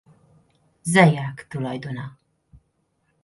Zayak tulajdona.